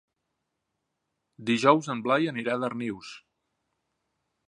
Dijous en Blai anirà a Darnius.